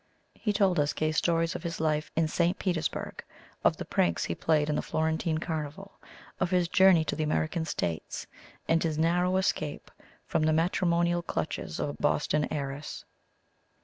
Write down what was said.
He told us gay stories of his life in St. Petersburg; of the pranks he had played in the Florentine Carnival; of his journey to the American States, and his narrow escape from the matrimonial clutches of a Boston heiress.